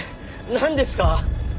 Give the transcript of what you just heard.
なんですか！？